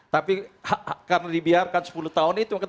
tapi karena dibiarkan sepuluh tahun itu